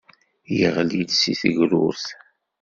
Yeɣli-d seg tegrurt.